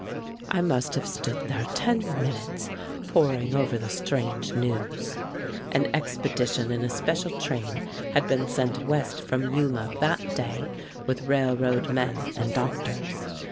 I must have stood there ten minutes poring over the strange news. An expedition in a special train had been sent west from Yuma that day, with railroad men and doctors.